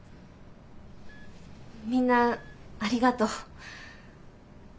みんなありがとう。